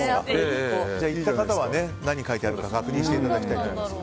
行った方は何が書いてあるか確認していただきたいと思います。